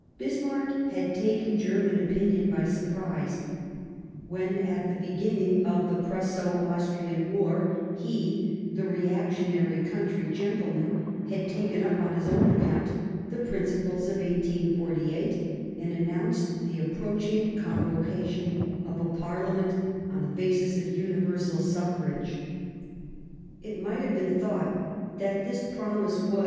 Bismarck had taken German opinion by surprise, when, at the beginning of the Prusso Austrian War, he, the reactionary country gentleman, R^^h't^^ had taken up on his own account the principles of 1848 and announced the approaching convocation of a Parliament on the basis of universal suffrage. It might have been thought that this promise was.